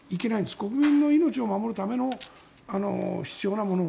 国民の命を守るための必要なもの。